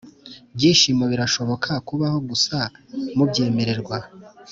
byishimo birashobora kubaho gusa mubyemerwa.